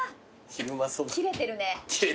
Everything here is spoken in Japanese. きれてるね。